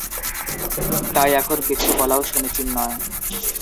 তাই এখন কিছু বলাও সমীচীন নয়।